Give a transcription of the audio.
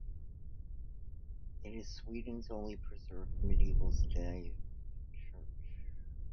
It is Sweden's only preserved medieval stave church.